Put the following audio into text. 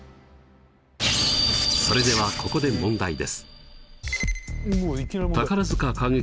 それではここで問題です。